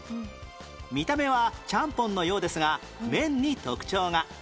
見た目はちゃんぽんのようですが麺に特徴が